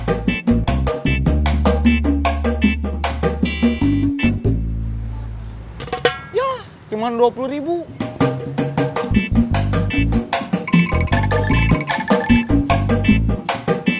kamu tahu bangunan ini